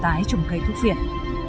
tái trồng cây thúc viện